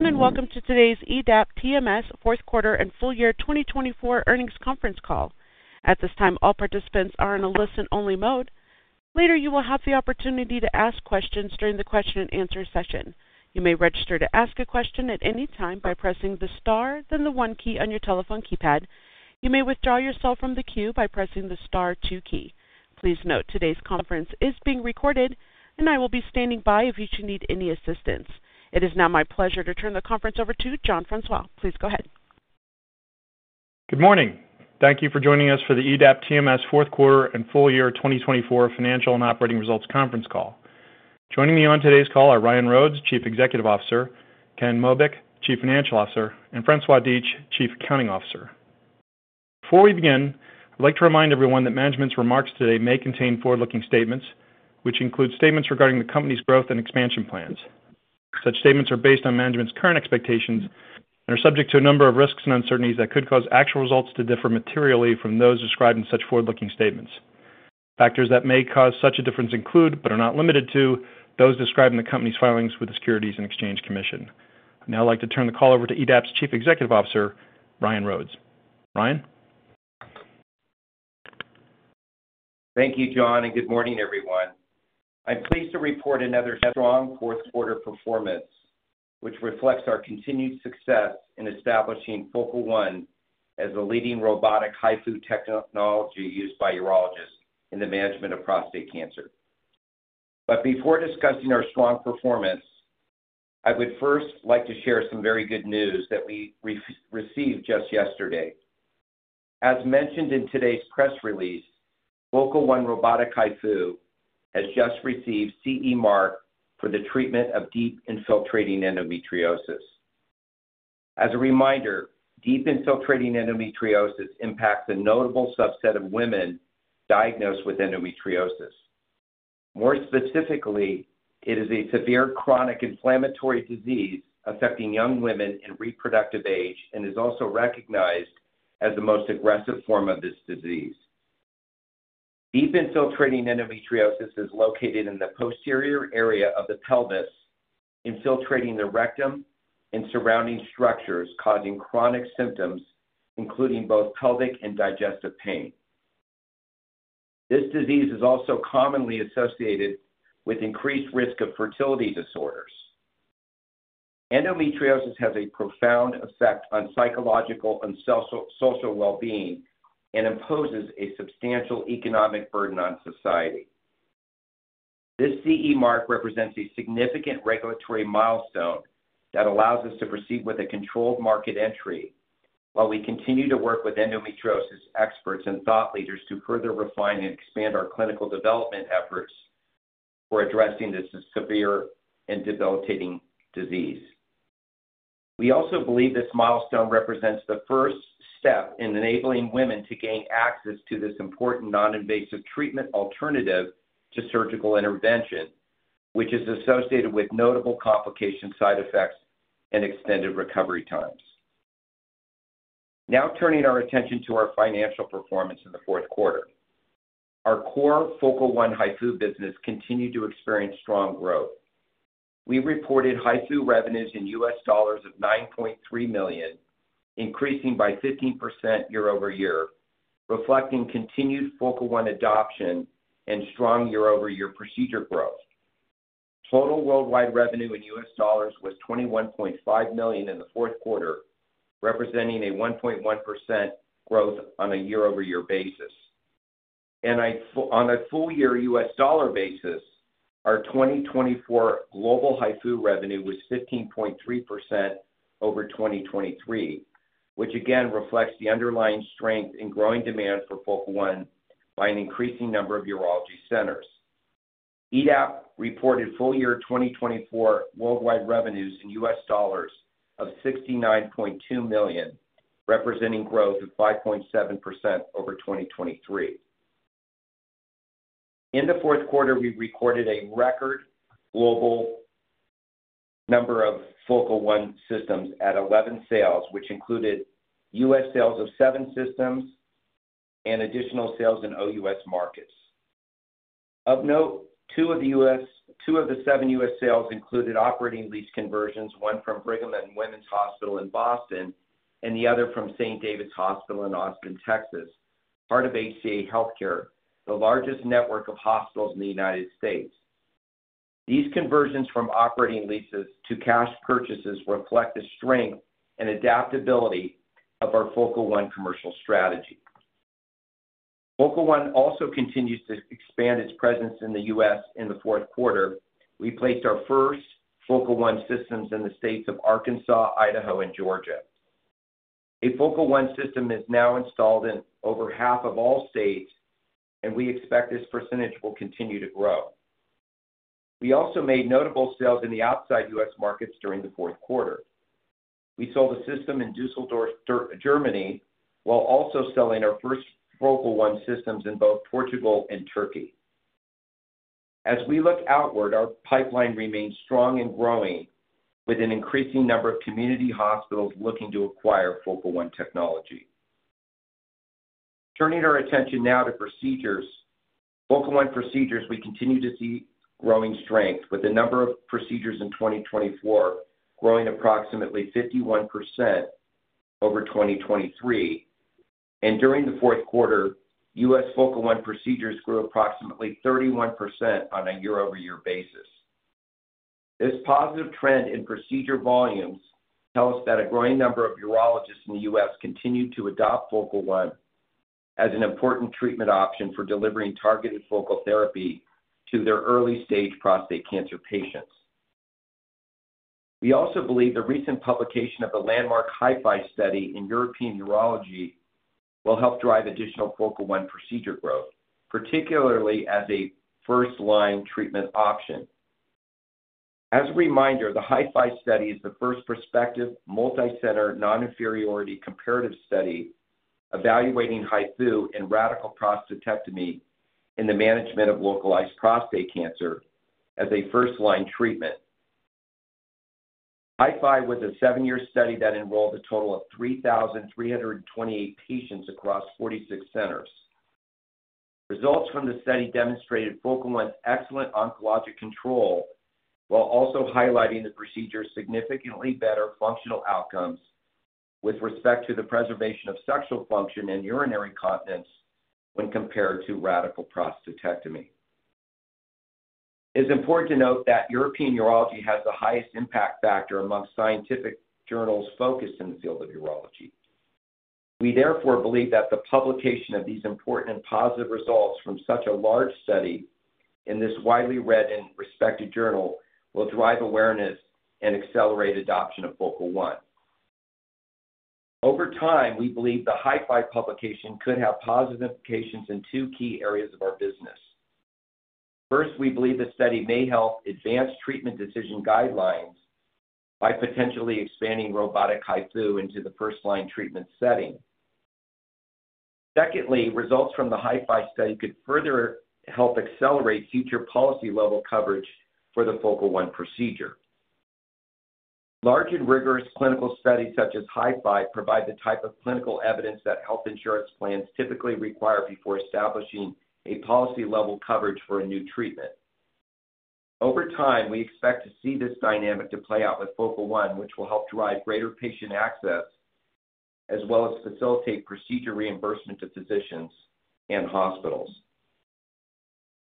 Welcome to today's EDAP TMS Fourth Quarter and Full Year 2024 Earnings Conference Call. At this time, all participants are in a listen-only mode. Later, you will have the opportunity to ask questions during the question-and-answer session. You may register to ask a question at any time by pressing the star, then the one key on your telephone keypad. You may withdraw yourself from the queue by pressing the star two key. Please note, today's conference is being recorded, and I will be standing by if you should need any assistance. It is now my pleasure to turn the conference over to François Dietsch. Please go ahead. Good morning. Thank you for joining us for the EDAP TMS Fourth Quarter and Full Year 2024 Financial and Operating Results Conference Call. Joining me on today's call are Ryan Rhodes, Chief Executive Officer; Ken Mobeck, Chief Financial Officer; and François Dietsch, Chief Accounting Officer. Before we begin, I'd like to remind everyone that management's remarks today may contain forward-looking statements, which include statements regarding the company's growth and expansion plans. Such statements are based on management's current expectations and are subject to a number of risks and uncertainties that could cause actual results to differ materially from those described in such forward-looking statements. Factors that may cause such a difference include, but are not limited to, those described in the company's filings with the Securities and Exchange Commission. Now, I'd like to turn the call over to EDAP's Chief Executive Officer, Ryan Rhodes. Ryan? Thank you, John, and good morning, everyone. I'm pleased to report another strong fourth-quarter performance, which reflects our continued success in establishing Focal One as the leading robotic HIFU technology used by urologists in the management of prostate cancer. Before discussing our strong performance, I would first like to share some very good news that we received just yesterday. As mentioned in today's press release, Focal One robotic HIFU has just received CE Mark for the treatment of deep infiltrating endometriosis. As a reminder, deep infiltrating endometriosis impacts a notable subset of women diagnosed with endometriosis. More specifically, it is a severe, chronic, inflammatory disease affecting young women in reproductive age and is also recognized as the most aggressive form of this disease. Deep infiltrating endometriosis is located in the posterior area of the pelvis, infiltrating the rectum and surrounding structures, causing chronic symptoms including both pelvic and digestive pain. This disease is also commonly associated with increased risk of fertility disorders. Endometriosis has a profound effect on psychological and social well-being and imposes a substantial economic burden on society. This CE Mark represents a significant regulatory milestone that allows us to proceed with a controlled market entry while we continue to work with endometriosis experts and thought leaders to further refine and expand our clinical development efforts for addressing this severe and debilitating disease. We also believe this milestone represents the first step in enabling women to gain access to this important non-invasive treatment alternative to surgical intervention, which is associated with notable complication side effects and extended recovery times. Now, turning our attention to our financial performance in the fourth quarter, our core Focal One HIFU business continued to experience strong growth. We reported HIFU revenues in US dollars of $9.3 million, increasing by 15% year over year, reflecting continued Focal One adoption and strong year-over-year procedure growth. Total worldwide revenue in US dollars was $21.5 million in the fourth quarter, representing a 1.1% growth on a year-over-year basis. On a full-year US dollar basis, our 2024 global HIFU revenue was 15.3% over 2023, which again reflects the underlying strength and growing demand for Focal One by an increasing number of urology centers. EDAP reported full-year 2024 worldwide revenues in US dollars of $69.2 million, representing growth of 5.7% over 2023. In the fourth quarter, we recorded a record global number of Focal One systems at 11 sales, which included US sales of seven systems and additional sales in OUS markets. Of note, two of the seven US sales included operating lease conversions, one from Brigham and Women's Hospital in Boston and the other from St. David's Hospital in Austin, Texas, part of HCA Healthcare, the largest network of hospitals in the United States. These conversions from operating leases to cash purchases reflect the strength and adaptability of our Focal One commercial strategy. Focal One also continues to expand its presence in the US in the fourth quarter. We placed our first Focal One systems in the states of Arkansas, Idaho, and Georgia. A Focal One system is now installed in over half of all states, and we expect this percentage will continue to grow. We also made notable sales in the outside U.S. markets during the fourth quarter. We sold a system in Düsseldorf, Germany, while also selling our first Focal One systems in both Portugal and Turkey. As we look outward, our pipeline remains strong and growing with an increasing number of community hospitals looking to acquire Focal One technology. Turning our attention now to procedures, Focal One procedures, we continue to see growing strength with the number of procedures in 2024 growing approximately 51% over 2023. During the fourth quarter, U.S. Focal One procedures grew approximately 31% on a year-over-year basis. This positive trend in procedure volumes tells us that a growing number of urologists in the U.S. continue to adopt Focal One as an important treatment option for delivering targeted focal therapy to their early-stage prostate cancer patients. We also believe the recent publication of the landmark HIFY study in European Urology will help drive additional Focal One procedure growth, particularly as a first-line treatment option. As a reminder, the HIFY study is the first prospective multi-center non-inferiority comparative study evaluating HIFU and radical prostatectomy in the management of localized prostate cancer as a first-line treatment. HIFY was a seven-year study that enrolled a total of 3,328 patients across 46 centers. Results from the study demonstrated Focal One's excellent oncologic control while also highlighting the procedure's significantly better functional outcomes with respect to the preservation of sexual function and urinary continence when compared to radical prostatectomy. It's important to note that European Urology has the highest impact factor amongst scientific journals focused in the field of urology. We therefore believe that the publication of these important and positive results from such a large study in this widely read and respected journal will drive awareness and accelerate adoption of Focal One. Over time, we believe the HIFY publication could have positive implications in two key areas of our business. First, we believe the study may help advance treatment decision guidelines by potentially expanding robotic HIFU into the first-line treatment setting. Secondly, results from the HIFY study could further help accelerate future policy-level coverage for the Focal One procedure. Large and rigorous clinical studies such as HIFY provide the type of clinical evidence that health insurance plans typically require before establishing a policy-level coverage for a new treatment. Over time, we expect to see this dynamic play out with Focal One, which will help drive greater patient access as well as facilitate procedure reimbursement to physicians and hospitals.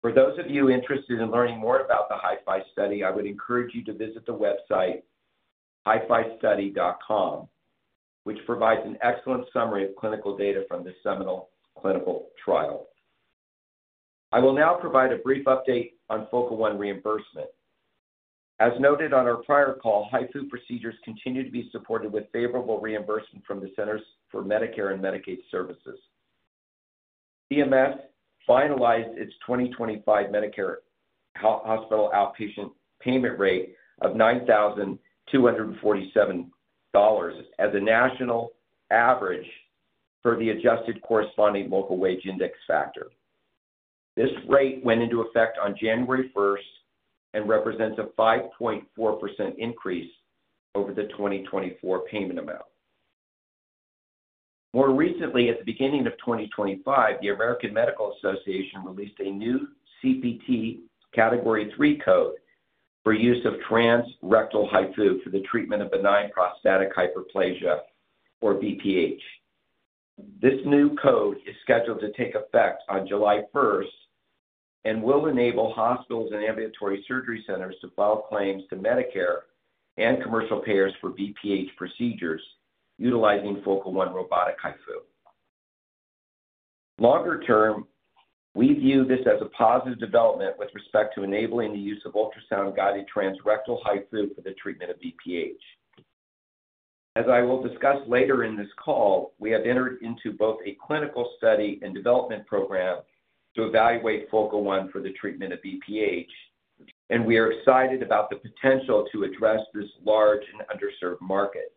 For those of you interested in learning more about the HIFY study, I would encourage you to visit the website hifistudy.com, which provides an excellent summary of clinical data from this seminal clinical trial. I will now provide a brief update on Focal One reimbursement. As noted on our prior call, HIFU procedures continue to be supported with favorable reimbursement from the Centers for Medicare and Medicaid Services. CMS finalized its 2025 Medicare Hospital Outpatient Payment Rate of $9,247 as a national average for the adjusted corresponding local wage index factor. This rate went into effect on January 1 and represents a 5.4% increase over the 2024 payment amount. More recently, at the beginning of 2025, the American Medical Association released a new CPT category three code for use of transrectal HIFU for the treatment of benign prostatic hyperplasia, or BPH. This new code is scheduled to take effect on July 1 and will enable hospitals and ambulatory surgery centers to file claims to Medicare and commercial payers for BPH procedures utilizing Focal One robotic HIFU. Longer term, we view this as a positive development with respect to enabling the use of ultrasound-guided transrectal HIFU for the treatment of BPH. As I will discuss later in this call, we have entered into both a clinical study and development program to evaluate Focal One for the treatment of BPH, and we are excited about the potential to address this large and underserved market.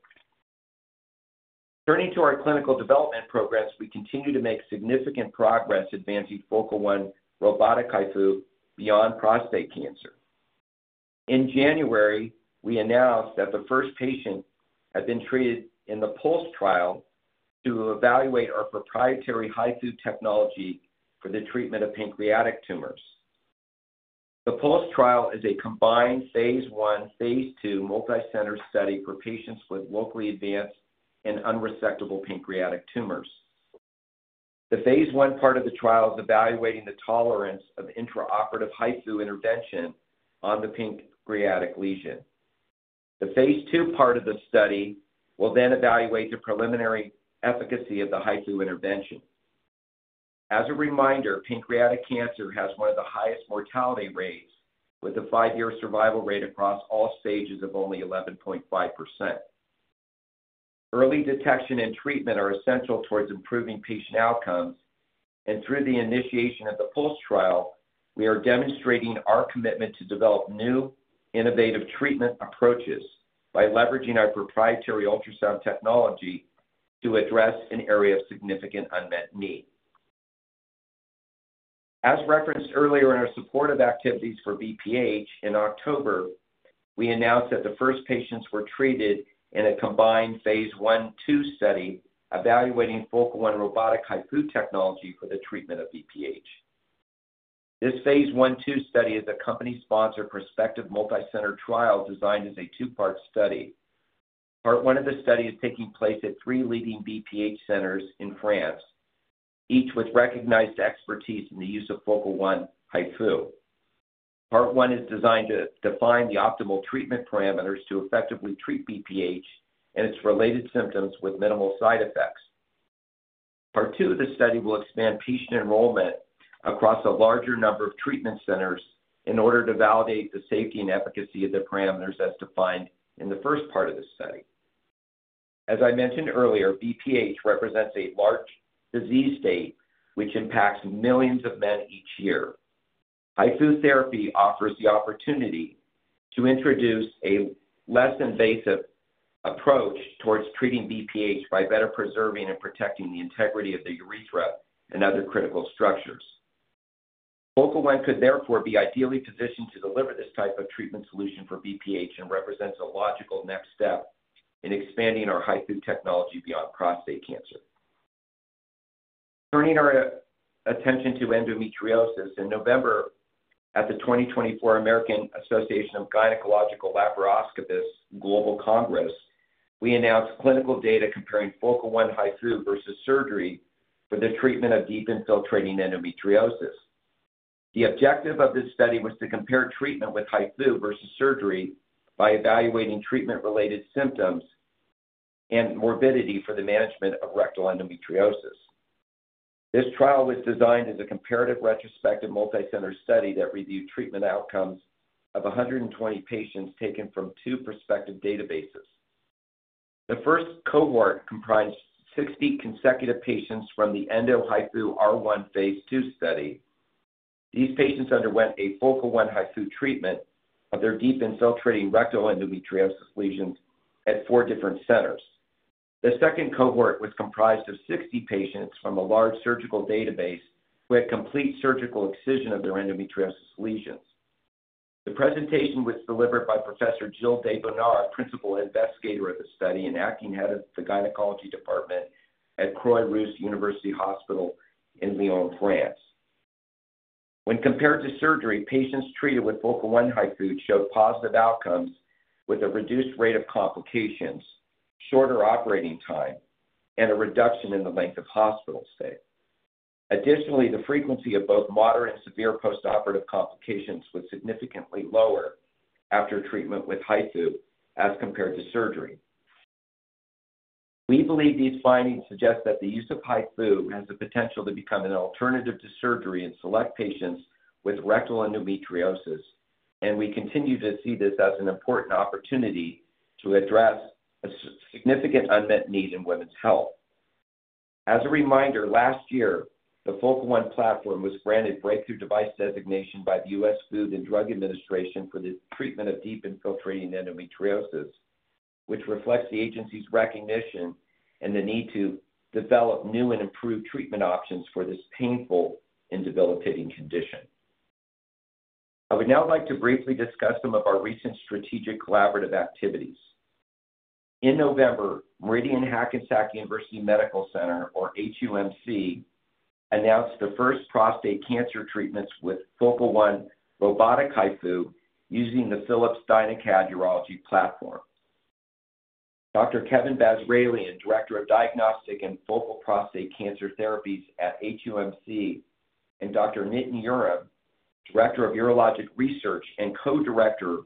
Turning to our clinical development programs, we continue to make significant progress advancing Focal One robotic HIFU beyond prostate cancer. In January, we announced that the first patient had been treated in the POLST trial to evaluate our proprietary HIFU technology for the treatment of pancreatic tumors. The POLST trial is a combined Phase 1-2 multi-center study for patients with locally advanced and unresectable pancreatic tumors. The Phase one part of the trial is evaluating the tolerance of intraoperative HIFU intervention on the pancreatic lesion. The Phase two part of the study will then evaluate the preliminary efficacy of the HIFU intervention. As a reminder, pancreatic cancer has one of the highest mortality rates with a five-year survival rate across all stages of only 11.5%. Early detection and treatment are essential towards improving patient outcomes, and through the initiation of the POLST trial, we are demonstrating our commitment to develop new innovative treatment approaches by leveraging our proprietary ultrasound technology to address an area of significant unmet need. As referenced earlier in our supportive activities for BPH, in October, we announced that the first patients were treated in a combined Phase 1-2 study evaluating Focal One robotic HIFU technology for the treatment of BPH. This Phase 1-2 study is a company-sponsored prospective multi-center trial designed as a two-part study. Part one of the study is taking place at three leading BPH centers in France, each with recognized expertise in the use of Focal One HIFU. Part one is designed to define the optimal treatment parameters to effectively treat BPH and its related symptoms with minimal side effects. Part two of the study will expand patient enrollment across a larger number of treatment centers in order to validate the safety and efficacy of the parameters as defined in the first part of the study. As I mentioned earlier, BPH represents a large disease state which impacts millions of men each year. HIFU therapy offers the opportunity to introduce a less invasive approach towards treating BPH by better preserving and protecting the integrity of the urethra and other critical structures. Focal One could therefore be ideally positioned to deliver this type of treatment solution for BPH and represents a logical next step in expanding our HIFU technology beyond prostate cancer. Turning our attention to endometriosis, in November at the 2024 American Association of Gynecological Laparoscopists Global Congress, we announced clinical data comparing Focal One HIFU versus surgery for the treatment of deep infiltrating endometriosis. The objective of this study was to compare treatment with HIFU versus surgery by evaluating treatment-related symptoms and morbidity for the management of rectal endometriosis. This trial was designed as a comparative retrospective multi-center study that reviewed treatment outcomes of 120 patients taken from two prospective databases. The first cohort comprised 60 consecutive patients from the Endo HIFU R1 Phase two study. These patients underwent a Focal One HIFU treatment of their deep infiltrating rectal endometriosis lesions at four different centers. The second cohort was comprised of 60 patients from a large surgical database who had complete surgical excision of their endometriosis lesions. The presentation was delivered by Professor Jill Desbonheur, principal investigator of the study and acting head of the gynecology department at Croix-Rousse University Hospital in Lyon, France. When compared to surgery, patients treated with Focal One HIFU showed positive outcomes with a reduced rate of complications, shorter operating time, and a reduction in the length of hospital stay. Additionally, the frequency of both moderate and severe postoperative complications was significantly lower after treatment with HIFU as compared to surgery. We believe these findings suggest that the use of HIFU has the potential to become an alternative to surgery in select patients with rectal endometriosis, and we continue to see this as an important opportunity to address a significant unmet need in women's health. As a reminder, last year, the Focal One platform was granted breakthrough device designation by the US Food and Drug Administration for the treatment of deep infiltrating endometriosis, which reflects the agency's recognition and the need to develop new and improved treatment options for this painful and debilitating condition. I would now like to briefly discuss some of our recent strategic collaborative activities. In November, Meridian Hackensack University Medical Center, or HUMC, announced the first prostate cancer treatments with Focal One robotic HIFU using the Philips DynaCAD urology platform. Dr. Kevin Basralian, Director of Diagnostic and Focal Prostate Cancer Therapies at HUMC, and Dr. Nitin Yerram, Director of Urologic Research and Co-Director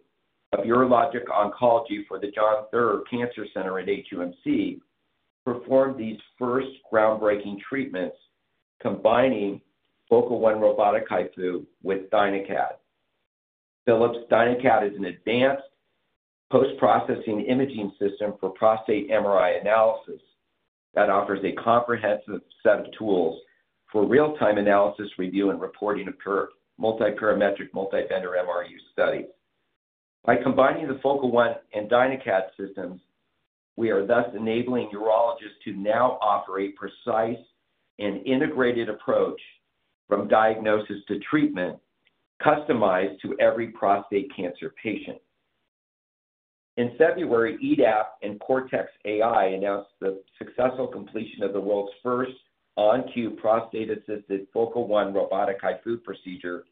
of Urologic Oncology for the John Theurer Cancer Center at HUMC, performed these first groundbreaking treatments combining Focal One robotic HIFU with DynaCAD. Philips DynaCAD is an advanced post-processing imaging system for prostate MRI analysis that offers a comprehensive set of tools for real-time analysis, review, and reporting of multiparametric multi-vendor MRU studies. By combining the Focal One and DynaCAD systems, we are thus enabling urologists to now offer a precise and integrated approach from diagnosis to treatment, customized to every prostate cancer patient. In February, EDAP and Cortechs.ai announced the successful completion of the world's first On-Cube Prostate-assisted Focal One robotic HIFU procedure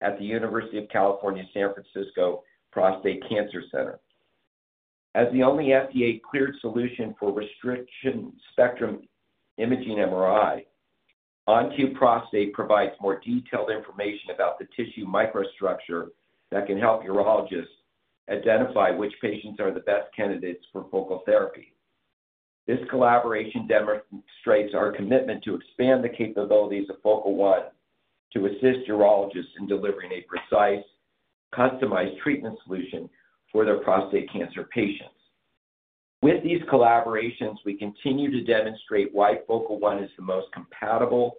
at the University of California, San Francisco Prostate Cancer Center. As the only FDA-cleared solution for restriction spectrum imaging MRI, On-cube Prostate provides more detailed information about the tissue microstructure that can help urologists identify which patients are the best candidates for focal therapy. This collaboration demonstrates our commitment to expand the capabilities of Focal One to assist urologists in delivering a precise, customized treatment solution for their prostate cancer patients. With these collaborations, we continue to demonstrate why Focal One is the most compatible,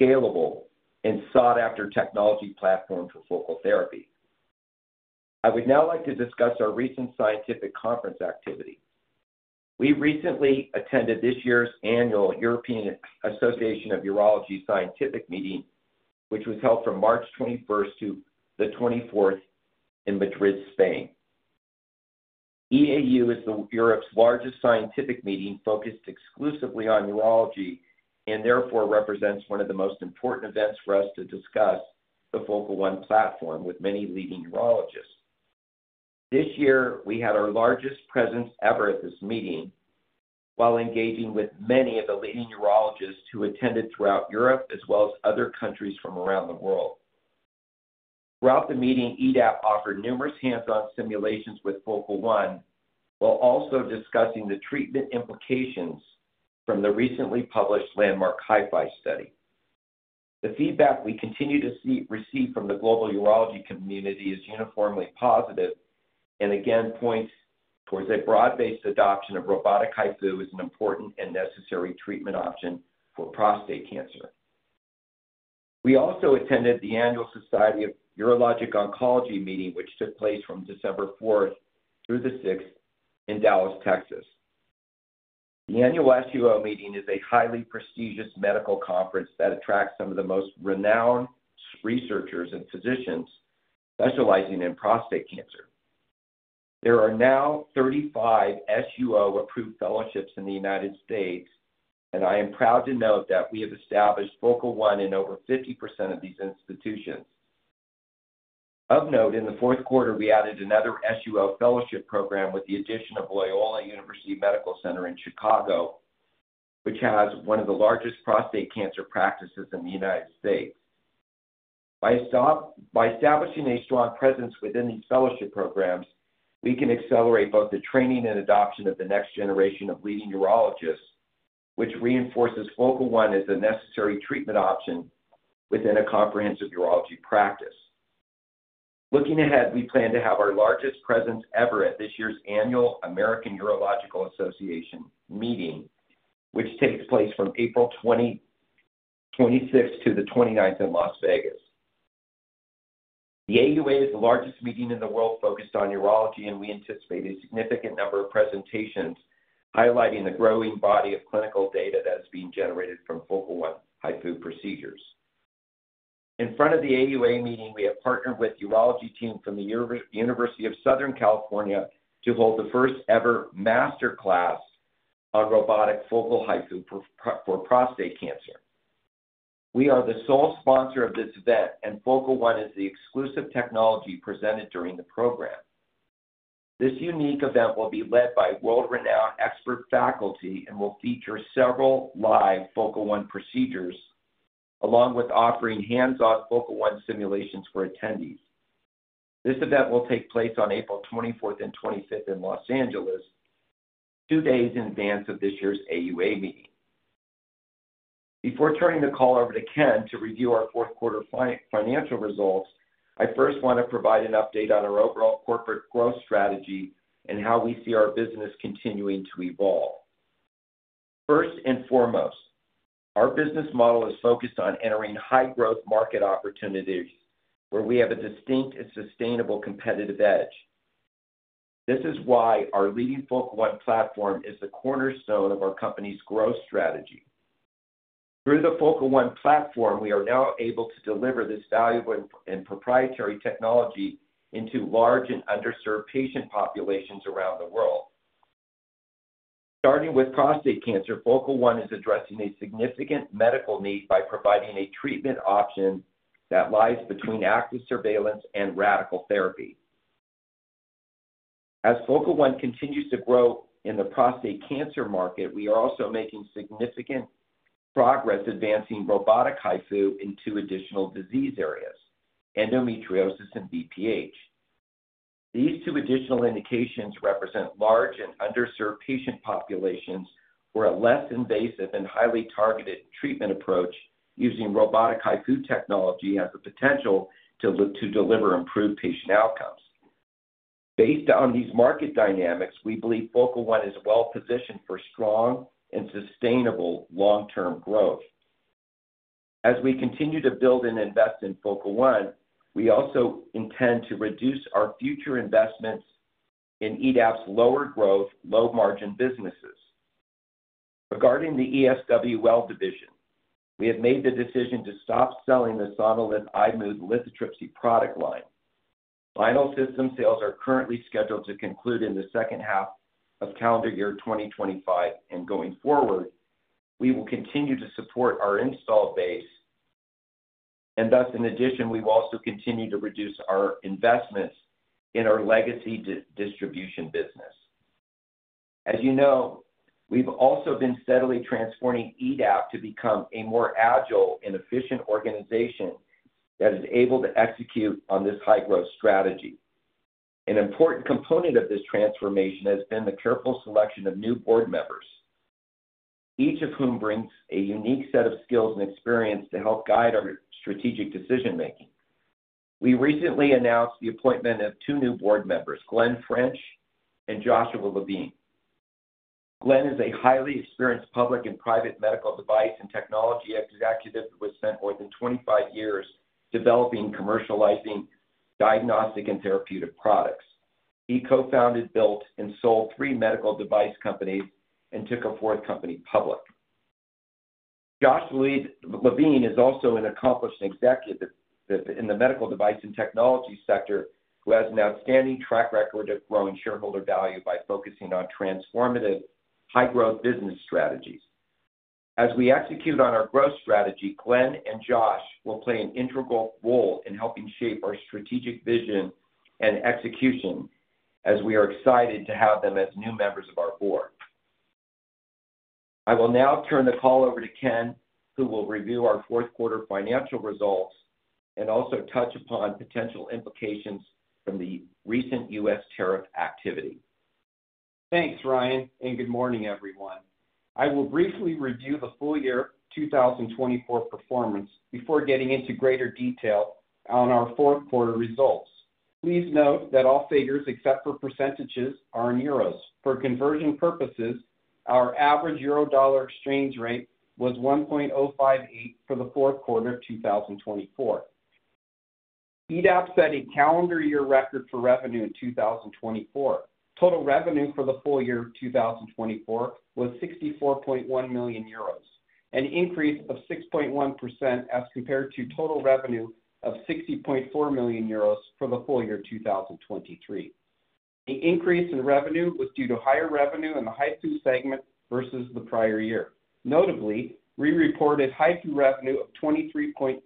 scalable, and sought-after technology platform for focal therapy. I would now like to discuss our recent scientific conference activity. We recently attended this year's annual European Association of Urology Scientific Meeting, which was held from March 21 to 24 in Madrid, Spain. EAU is Europe's largest scientific meeting focused exclusively on urology and therefore represents one of the most important events for us to discuss the Focal One platform with many leading urologists. This year, we had our largest presence ever at this meeting while engaging with many of the leading urologists who attended throughout Europe as well as other countries from around the world. Throughout the meeting, EDAP offered numerous hands-on simulations with Focal One while also discussing the treatment implications from the recently published landmark HIFY study. The feedback we continue to receive from the global urology community is uniformly positive and again points towards a broad-based adoption of robotic HIFU as an important and necessary treatment option for prostate cancer. We also attended the annual Society of Urologic Oncology meeting, which took place from December 4th through the 6th in Dallas, Texas. The annual SUO meeting is a highly prestigious medical conference that attracts some of the most renowned researchers and physicians specializing in prostate cancer. There are now 35 SUO-approved fellowships in the United States, and I am proud to note that we have established Focal One in over 50% of these institutions. Of note, in the fourth quarter, we added another SUO fellowship program with the addition of Loyola University Medical Center in Chicago, which has one of the largest prostate cancer practices in the United States. By establishing a strong presence within these fellowship programs, we can accelerate both the training and adoption of the next generation of leading urologists, which reinforces Focal One as a necessary treatment option within a comprehensive urology practice. Looking ahead, we plan to have our largest presence ever at this year's annual American Urological Association meeting, which takes place from April 26th to the 29th in Las Vegas. The AUA is the largest meeting in the world focused on urology, and we anticipate a significant number of presentations highlighting the growing body of clinical data that is being generated from Focal One HIFU procedures. In front of the AUA meeting, we have partnered with urology teams from the University of Southern California to hold the first-ever masterclass on robotic Focal HIFU for prostate cancer. We are the sole sponsor of this event, and Focal One is the exclusive technology presented during the program. This unique event will be led by world-renowned expert faculty and will feature several live Focal One procedures, along with offering hands-on Focal One simulations for attendees. This event will take place on April 24th and 25th in Los Angeles, two days in advance of this year's AUA meeting. Before turning the call over to Ken to review our fourth quarter financial results, I first want to provide an update on our overall corporate growth strategy and how we see our business continuing to evolve. First and foremost, our business model is focused on entering high-growth market opportunities where we have a distinct and sustainable competitive edge. This is why our leading Focal One platform is the cornerstone of our company's growth strategy. Through the Focal One platform, we are now able to deliver this valuable and proprietary technology into large and underserved patient populations around the world. Starting with prostate cancer, Focal One is addressing a significant medical need by providing a treatment option that lies between active surveillance and radical therapy. As Focal One continues to grow in the prostate cancer market, we are also making significant progress advancing robotic HIFU in two additional disease areas: endometriosis and BPH. These two additional indications represent large and underserved patient populations for a less invasive and highly targeted treatment approach using robotic HIFU technology as a potential to deliver improved patient outcomes. Based on these market dynamics, we believe Focal One is well-positioned for strong and sustainable long-term growth. As we continue to build and invest in Focal One, we also intend to reduce our future investments in EDAP's lower-growth, low-margin businesses. Regarding the ESWL division, we have made the decision to stop selling the Sonilith iMOOD lithotripsy product line. Final system sales are currently scheduled to conclude in the second half of calendar year 2025, and going forward, we will continue to support our install base, and thus, in addition, we will also continue to reduce our investments in our legacy distribution business. As you know, we've also been steadily transforming EDAP to become a more agile and efficient organization that is able to execute on this high-growth strategy. An important component of this transformation has been the careful selection of new board members, each of whom brings a unique set of skills and experience to help guide our strategic decision-making. We recently announced the appointment of two new board members, Glenn French and Joshua Levine. Glenn is a highly experienced public and private medical device and technology executive who has spent more than 25 years developing and commercializing diagnostic and therapeutic products. He co-founded, built, and sold three medical device companies and took a fourth company public. Joshua Levine is also an accomplished executive in the medical device and technology sector who has an outstanding track record of growing shareholder value by focusing on transformative high-growth business strategies. As we execute on our growth strategy, Glenn and Joshua will play an integral role in helping shape our strategic vision and execution as we are excited to have them as new members of our board. I will now turn the call over to Ken, who will review our fourth quarter financial results and also touch upon potential implications from the recent U.S. tariff activity. Thanks, Ryan, and good morning, everyone. I will briefly review the full year 2024 performance before getting into greater detail on our fourth quarter results. Please note that all figures except for % are in euros. For conversion purposes, our average euro-dollar exchange rate was 1.058 for the fourth quarter of 2024. EDAP set a calendar year record for revenue in 2024. Total revenue for the full year of 2024 was 64.1 million euros, an increase of 6.1% as compared to total revenue of 60.4 million euros for the full year 2023. The increase in revenue was due to higher revenue in the HIFU segment versus the prior year. Notably, we reported HIFU revenue of 23.8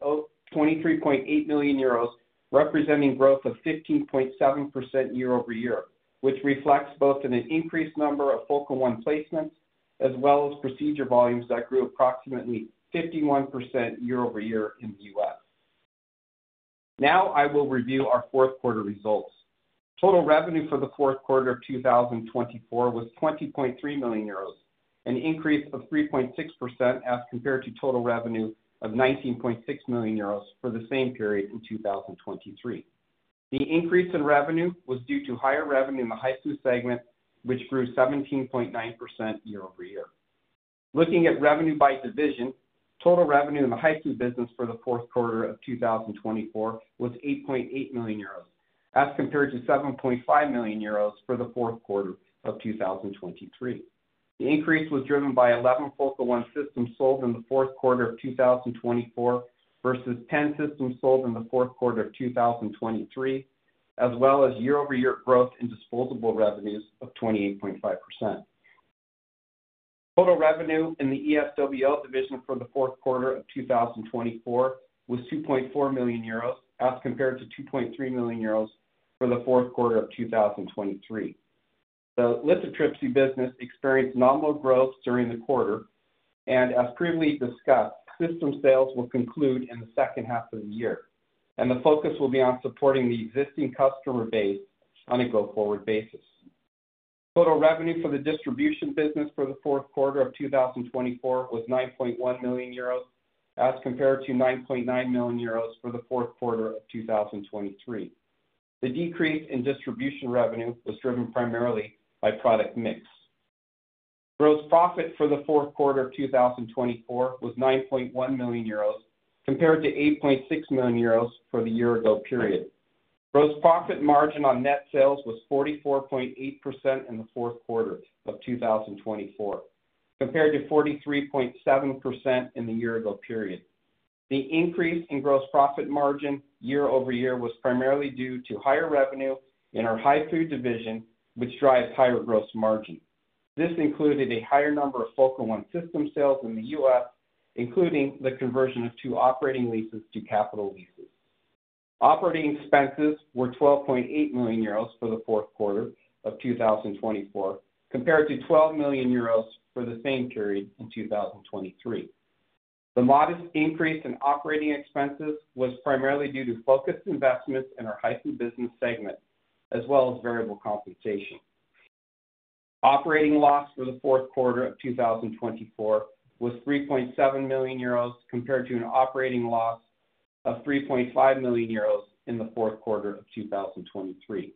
million euros, representing growth of 15.7% year over year, which reflects both an increased number of Focal One placements as well as procedure volumes that grew approximately 51% year over year in the U.S. Now, I will review our fourth quarter results. Total revenue for the fourth quarter of 2024 was 20.3 million euros, an increase of 3.6% as compared to total revenue of 19.6 million euros for the same period in 2023. The increase in revenue was due to higher revenue in the HIFU segment, which grew 17.9% year over year. Looking at revenue by division, total revenue in the HIFU business for the fourth quarter of 2024 was 8.8 million euros as compared to 7.5 million euros for the fourth quarter of 2023. The increase was driven by 11 Focal One systems sold in the fourth quarter of 2024 versus 10 systems sold in the fourth quarter of 2023, as well as year-over-year growth in disposable revenues of 28.5%. Total revenue in the ESWL division for the fourth quarter of 2024 was 2.4 million euros as compared to 2.3 million euros for the fourth quarter of 2023. The lithotripsy business experienced nominal growth during the quarter, and as previously discussed, system sales will conclude in the second half of the year, and the focus will be on supporting the existing customer base on a go-forward basis. Total revenue for the distribution business for the fourth quarter of 2024 was 9.1 million euros as compared to 9.9 million euros for the fourth quarter of 2023. The decrease in distribution revenue was driven primarily by product mix. Gross profit for the fourth quarter of 2024 was 9.1 million euros compared to 8.6 million euros for the year-ago period. Gross profit margin on net sales was 44.8% in the fourth quarter of 2024 compared to 43.7% in the year-ago period. The increase in gross profit margin year-over-year was primarily due to higher revenue in our HIFU division, which drives higher gross margin. This included a higher number of Focal One system sales in the U.S., including the conversion of two operating leases to capital leases. Operating expenses were 12.8 million euros for the fourth quarter of 2024 compared to 12 million euros for the same period in 2023. The modest increase in operating expenses was primarily due to focused investments in our HIFU business segment as well as variable compensation. Operating loss for the fourth quarter of 2024 was 3.7 million euros compared to an operating loss of 3.5 million euros in the fourth quarter of 2023.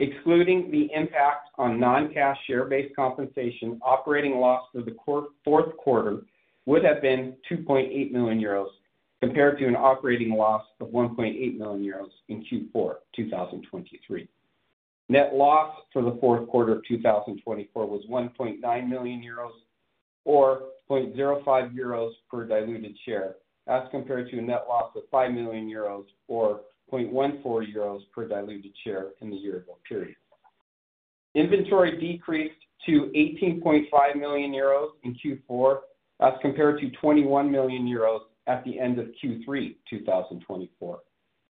Excluding the impact on non-cash share-based compensation, operating loss for the fourth quarter would have been 2.8 million euros compared to an operating loss of 1.8 million euros in Q4 2023. Net loss for the fourth quarter of 2024 was 1.9 million euros or 0.05 euros per diluted share as compared to a net loss of 5 million euros or 0.14 euros per diluted share in the year-ago period. Inventory decreased to 18.5 million euros in Q4 as compared to 21 million euros at the end of Q3 2024.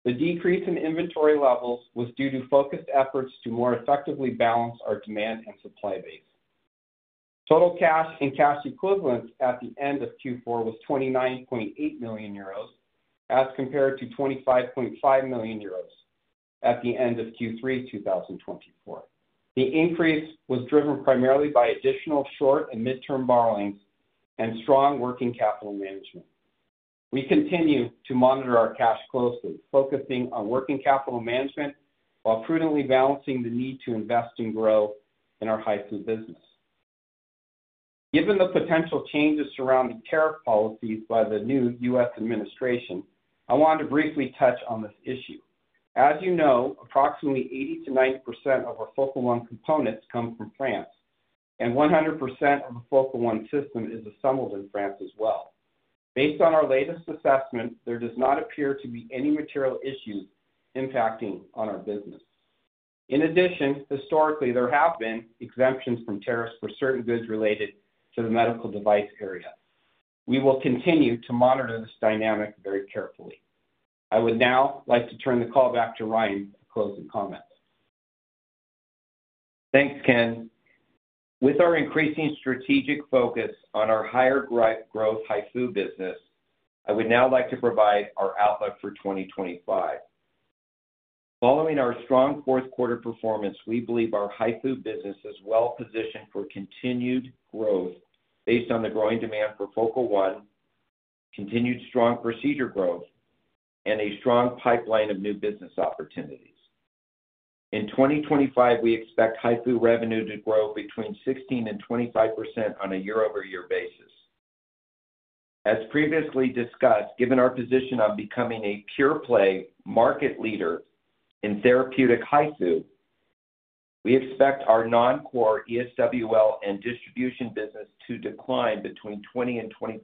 The decrease in inventory levels was due to focused efforts to more effectively balance our demand and supply base. Total cash and cash equivalents at the end of Q4 was 29.8 million euros as compared to 25.5 million euros at the end of Q3 2024. The increase was driven primarily by additional short and midterm borrowings and strong working capital management. We continue to monitor our cash closely, focusing on working capital management while prudently balancing the need to invest and grow in our HIFU business. Given the potential changes surrounding tariff policies by the new U.S. administration, I wanted to briefly touch on this issue. As you know, approximately 80%-90% of our Focal One components come from France, and 100% of the Focal One system is assembled in France as well. Based on our latest assessment, there does not appear to be any material issues impacting our business. In addition, historically, there have been exemptions from tariffs for certain goods related to the medical device area. We will continue to monitor this dynamic very carefully. I would now like to turn the call back to Ryan for closing comments. Thanks, Ken. With our increasing strategic focus on our higher-growth HIFU business, I would now like to provide our outlook for 2025. Following our strong fourth quarter performance, we believe our HIFU business is well-positioned for continued growth based on the growing demand for Focal One, continued strong procedure growth, and a strong pipeline of new business opportunities. In 2025, we expect HIFU revenue to grow between 16%-25% on a year-over-year basis. As previously discussed, given our position on becoming a pure-play market leader in therapeutic HIFU, we expect our non-core ESWL and distribution business to decline between 20%-25%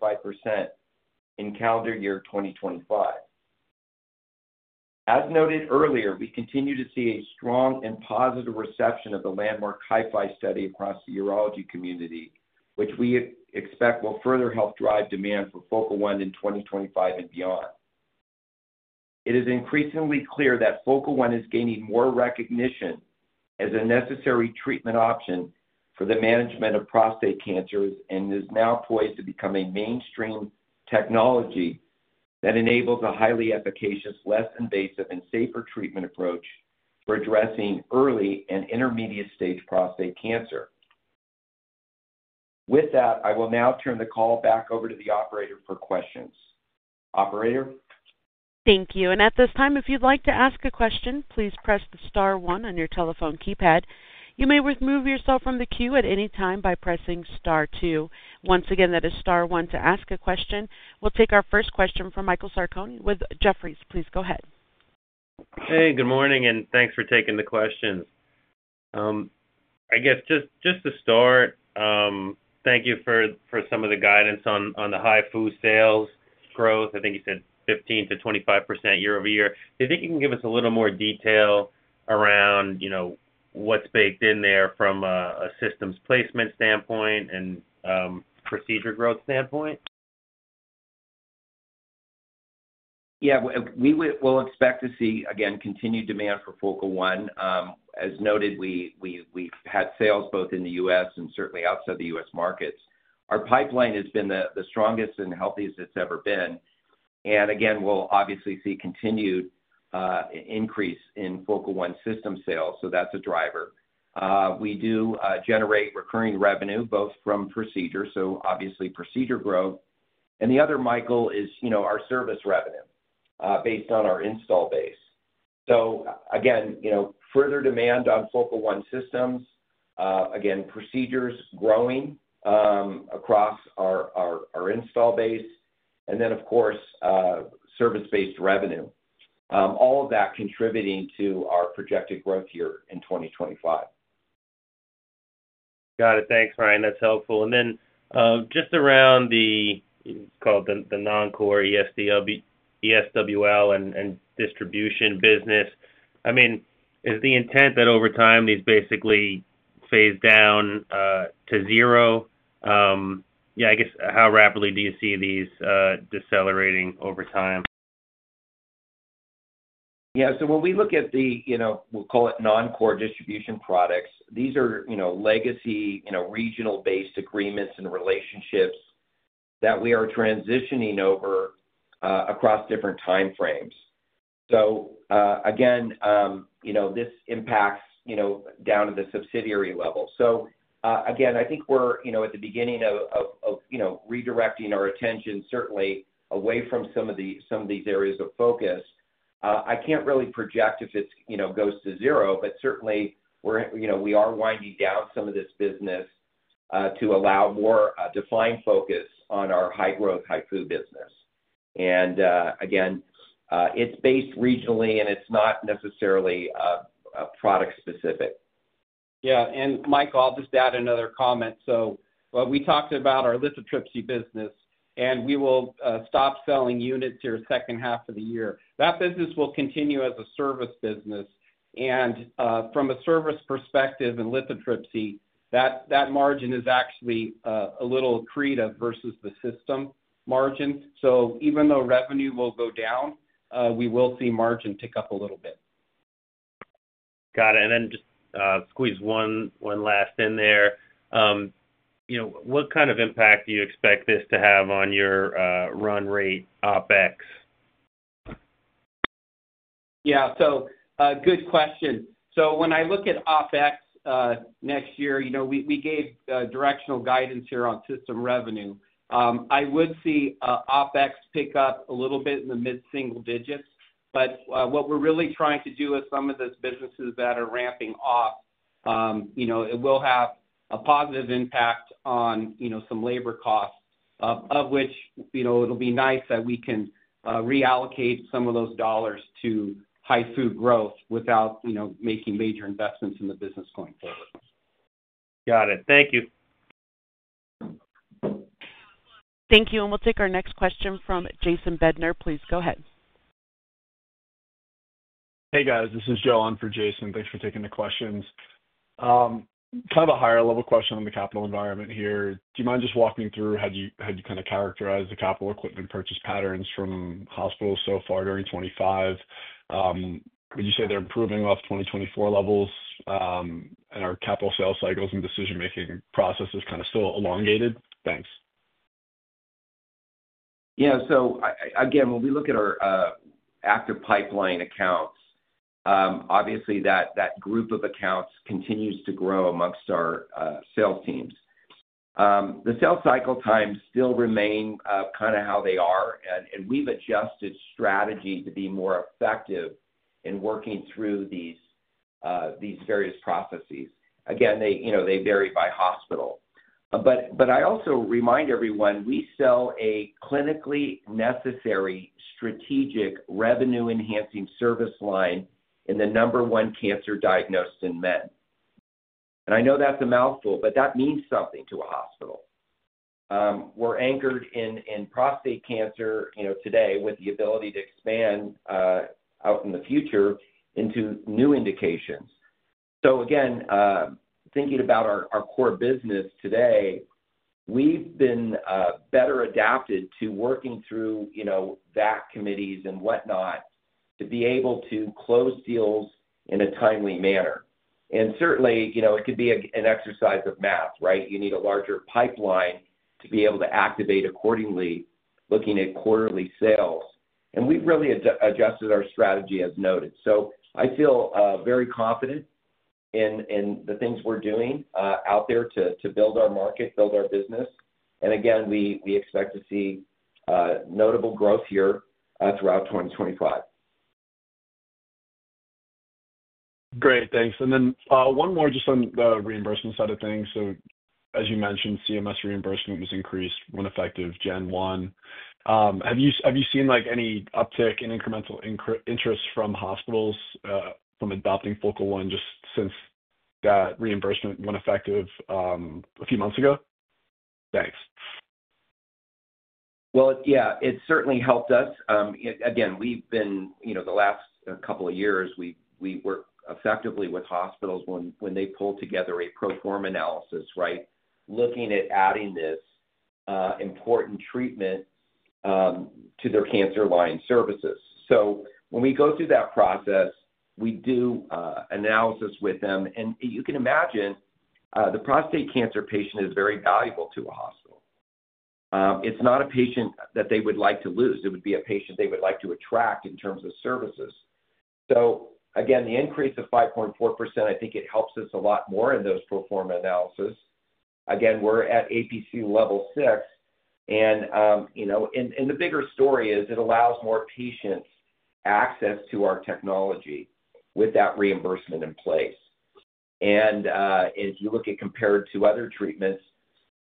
in calendar year 2025. As noted earlier, we continue to see a strong and positive reception of the landmark HIFY study across the urology community, which we expect will further help drive demand for Focal One in 2025 and beyond. It is increasingly clear that Focal One is gaining more recognition as a necessary treatment option for the management of prostate cancers and is now poised to become a mainstream technology that enables a highly efficacious, less invasive, and safer treatment approach for addressing early and intermediate-stage prostate cancer. With that, I will now turn the call back over to the operator for questions. Operator. Thank you. At this time, if you'd like to ask a question, please press the star one on your telephone keypad. You may remove yourself from the queue at any time by pressing star two. Once again, that is star one to ask a question. We'll take our first question from Michael Sarcone with Jefferies. Please go ahead. Hey, good morning, and thanks for taking the questions. I guess just to start, thank you for some of the guidance on the HIFU sales growth. I think you said 15%-25% year-over-year. Do you think you can give us a little more detail around what's baked in there from a systems placement standpoint and procedure growth standpoint? Yeah, we will expect to see, again, continued demand for Focal One. As noted, we've had sales both in the U.S. and certainly outside the U.S. markets. Our pipeline has been the strongest and healthiest it's ever been. We will obviously see continued increase in Focal One system sales, so that's a driver. We do generate recurring revenue both from procedure, so obviously procedure growth. The other, Michael, is our service revenue based on our install base. Further demand on Focal One systems, procedures growing across our install base, and then, of course, service-based revenue, all of that contributing to our projected growth year in 2025. Got it. Thanks, Ryan. That's helpful. And then just around the, it's called the non-core ESWL and distribution business, I mean, is the intent that over time these basically phase down to zero? Yeah, I guess how rapidly do you see these decelerating over time? Yeah. When we look at the, we'll call it non-core distribution products, these are legacy regional-based agreements and relationships that we are transitioning over across different time frames. This impacts down to the subsidiary level. I think we're at the beginning of redirecting our attention certainly away from some of these areas of focus. I can't really project if it goes to zero, but certainly we are winding down some of this business to allow more defined focus on our high-growth HIFU business. It's based regionally, and it's not necessarily product-specific. Yeah. And Michael, I'll just add another comment. We talked about our lithotripsy business, and we will stop selling units here second half of the year. That business will continue as a service business. From a service perspective in lithotripsy, that margin is actually a little accretive versus the system margin. Even though revenue will go down, we will see margin tick up a little bit. Got it. Just squeeze one last in there. What kind of impact do you expect this to have on your run rate, OpEx? Yeah. Good question. When I look at OpEx next year, we gave directional guidance here on system revenue. I would see OpEx pick up a little bit in the mid-single digits. What we're really trying to do with some of these businesses that are ramping up, it will have a positive impact on some labor costs, of which it'll be nice that we can reallocate some of those dollars to HIFU growth without making major investments in the business going forward. Got it. Thank you. Thank you. We'll take our next question from Jason Bednar. Please go ahead. Hey, guys. This is Joel for Jason. Thanks for taking the questions. Kind of a higher-level question on the capital environment here. Do you mind just walking through how you kind of characterize the capital equipment purchase patterns from hospitals so far during 2025? Would you say they're improving off 2024 levels? Are capital sales cycles and decision-making processes kind of still elongated? Thanks. Yeah. Again, when we look at our active pipeline accounts, obviously that group of accounts continues to grow amongst our sales teams. The sales cycle times still remain kind of how they are, and we've adjusted strategy to be more effective in working through these various processes. They vary by hospital. I also remind everyone, we sell a clinically necessary strategic revenue-enhancing service line in the number one cancer diagnosed in men. I know that's a mouthful, but that means something to a hospital. We're anchored in prostate cancer today with the ability to expand out in the future into new indications. Again, thinking about our core business today, we've been better adapted to working through VAC committees and whatnot to be able to close deals in a timely manner. Certainly, it could be an exercise of math, right? You need a larger pipeline to be able to activate accordingly, looking at quarterly sales. We have really adjusted our strategy as noted. I feel very confident in the things we are doing out there to build our market, build our business. Again, we expect to see notable growth here throughout 2025. Great. Thanks. One more just on the reimbursement side of things. As you mentioned, CMS reimbursement was increased when effective Gen 1. Have you seen any uptick in incremental interest from hospitals from adopting Focal One just since that reimbursement went effective a few months ago? Thanks. Yeah, it certainly helped us. We have been the last couple of years, we work effectively with hospitals when they pull together a pro forma analysis, right? Looking at adding this important treatment to their cancer line services. When we go through that process, we do analysis with them. You can imagine the prostate cancer patient is very valuable to a hospital. It's not a patient that they would like to lose. It would be a patient they would like to attract in terms of services. Again, the increase of 5.4% helps us a lot more in those pro forma analysis. We're at APC Level 6. The bigger story is it allows more patients access to our technology with that reimbursement in place. If you look at compared to other treatments,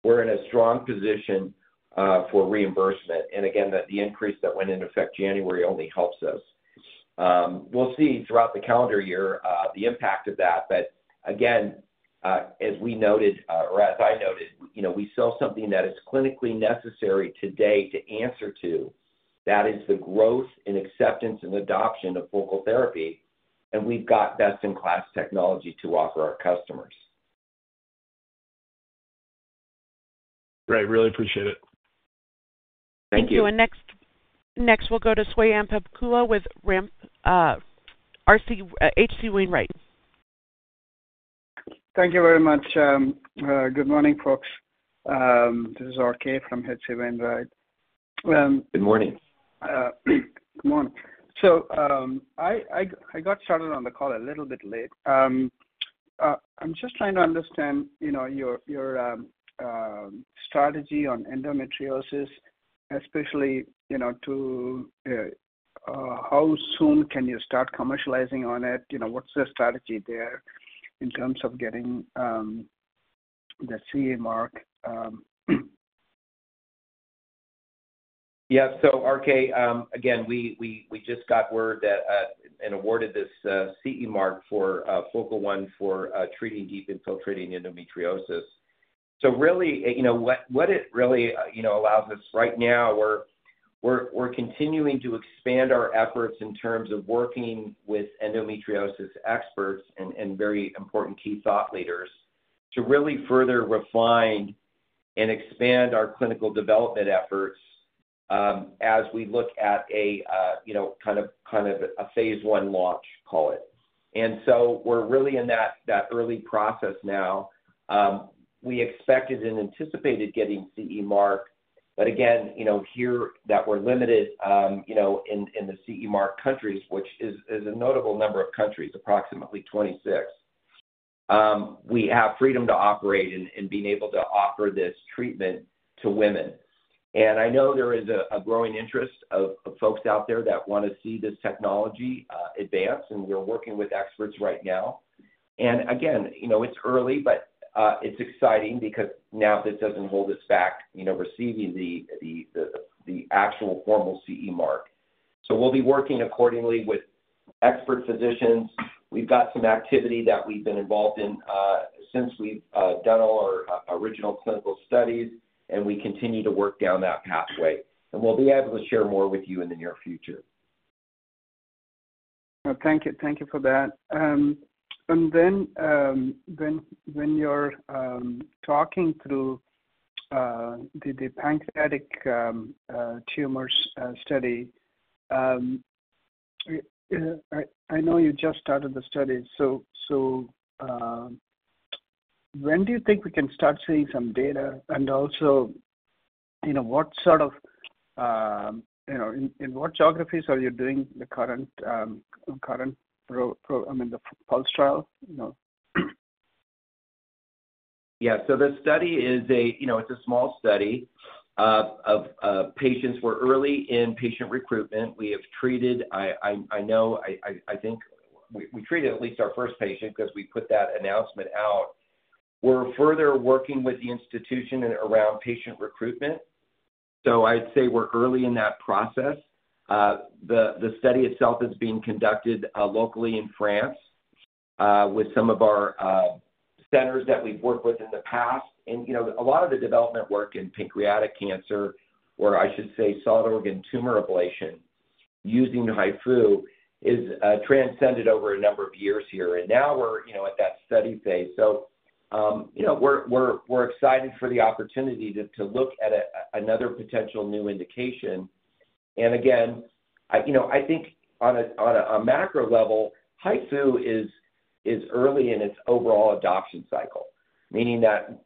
we're in a strong position for reimbursement. The increase that went into effect January only helps us. We'll see throughout the calendar year the impact of that. As we noted, or as I noted, we sell something that is clinically necessary today to answer to. That is the growth and acceptance and adoption of Focal Therapy. And we've got best-in-class technology to offer our customers. Great. Really appreciate it. Thank you. Thank you. Next, we'll go to Swayampakula Ramakanth with H.C. Wainwright. Thank you very much. Good morning, folks. This is RK from H.C. Wainwright. Good morning. Good morning. I got started on the call a little bit late. I'm just trying to understand your strategy on endometriosis, especially how soon can you start commercializing on it? What's the strategy there in terms of getting the CE Mark? Yeah. RK, again, we just got word that and awarded this CE Mark for Focal One for treating deep infiltrating endometriosis. What it really allows us right now, we're continuing to expand our efforts in terms of working with endometriosis experts and very important key thought leaders to really further refine and expand our clinical development efforts as we look at a kind of a Phase 1 launch, call it. We're really in that early process now. We expected and anticipated getting CE Mark. Here, we're limited in the CE Mark countries, which is a notable number of countries, approximately 26. We have freedom to operate in being able to offer this treatment to women. I know there is a growing interest of folks out there that want to see this technology advance. We're working with experts right now. It's early, but it's exciting because now this doesn't hold us back receiving the actual formal CE Mark. We will be working accordingly with expert physicians. We've got some activity that we've been involved in since we've done all our original clinical studies, and we continue to work down that pathway. We will be able to share more with you in the near future. Thank you. Thank you for that. When you're talking through the pancreatic tumors study, I know you just started the study. When do you think we can start seeing some data? Also, what sort of, in what geographies are you doing the current, I mean, the POLST trial? Yeah. The study is a small study of patients. We're early in patient recruitment. We have treated, I know, I think we treated at least our first patient because we put that announcement out. We're further working with the institution around patient recruitment. I'd say we're early in that process. The study itself is being conducted locally in France with some of our centers that we've worked with in the past. A lot of the development work in pancreatic cancer, or I should say solid organ tumor ablation using HIFU, has transcended over a number of years here. Now we're at that study Phase. We're excited for the opportunity to look at another potential new indication. Again, I think on a macro level, HIFU is early in its overall adoption cycle, meaning that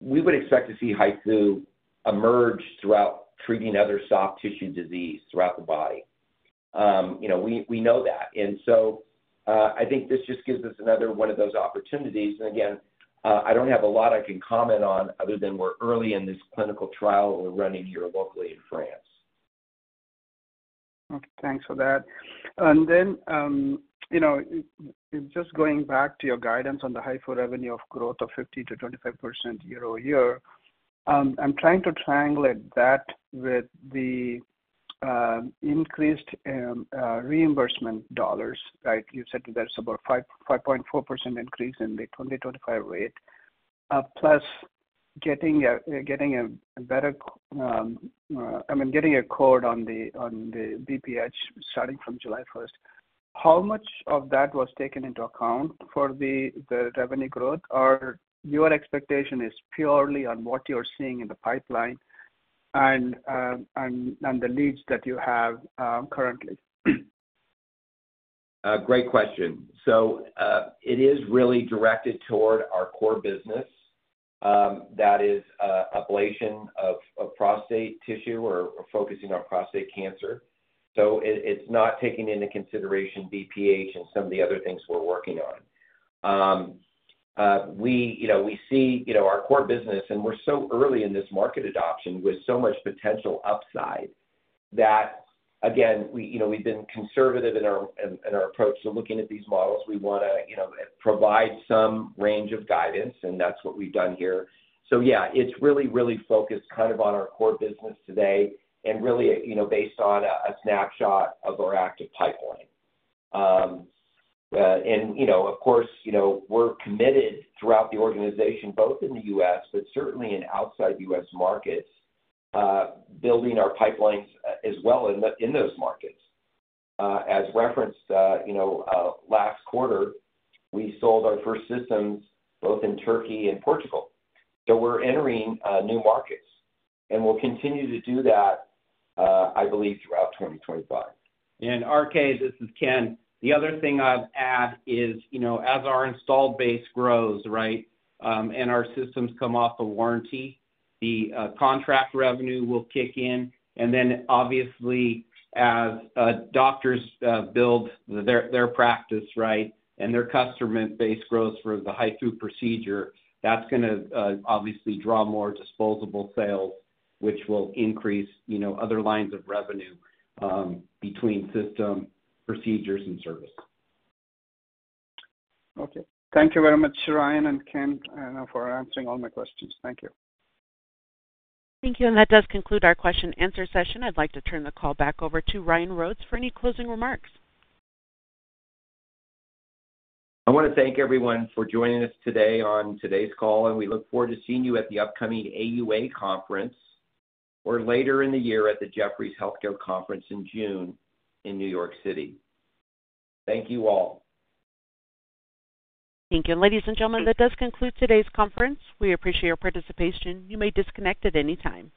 we would expect to see HIFU emerge throughout treating other soft tissue disease throughout the body. We know that. I think this just gives us another one of those opportunities. I do not have a lot I can comment on other than we're early in this clinical trial we're running here locally in France. Thanks for that. Just going back to your guidance on the HIFU revenue of growth of 15%-25% year over year, I'm trying to triangulate that with the increased reimbursement dollars, right? You said that's about a 5.4% increase in the 2025 rate, plus getting a better, I mean, getting a code on the BPH starting from July 1. How much of that was taken into account for the revenue growth? Or your expectation is purely on what you're seeing in the pipeline and the leads that you have currently? Great question. It is really directed toward our core business. That is ablation of prostate tissue or focusing on prostate cancer. It's not taking into consideration BPH and some of the other things we're working on. We see our core business, and we're so early in this market adoption with so much potential upside that, again, we've been conservative in our approach to looking at these models. We want to provide some range of guidance, and that's what we've done here. Yeah, it's really, really focused kind of on our core business today and really based on a snapshot of our active pipeline. Of course, we're committed throughout the organization, both in the U.S., but certainly in outside U.S. markets, building our pipelines as well in those markets. As referenced, last quarter, we sold our first systems both in Turkey and Portugal. We're entering new markets. We'll continue to do that, I believe, throughout 2025. RK, this is Ken. The other thing I'd add is, as our installed base grows, right, and our systems come off of warranty, the contract revenue will kick in. Obviously, as doctors build their practice, right, and their customer base grows for the HIFU procedure, that's going to obviously draw more disposable sales, which will increase other lines of revenue between system procedures and service. Okay. Thank you very much, Ryan and Ken, for answering all my questions. Thank you. Thank you. That does conclude our question-and-answer session. I'd like to turn the call back over to Ryan Rhodes for any closing remarks. I want to thank everyone for joining us today on today's call. We look forward to seeing you at the upcoming AUA conference or later in the year at the Jefferies Healthcare Conference in June in New York City. Thank you all. Thank you. Ladies and gentlemen, that does conclude today's conference. We appreciate your participation. You may disconnect at any time.